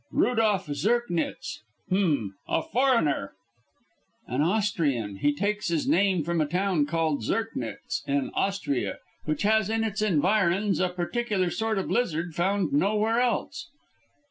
"Rudolph Zirknitz." "H'm! A foreigner?" "An Austrian. He takes his name from a town called Zirknitz, in Austria, which has in its environs a peculiar sort of lizard found nowhere else."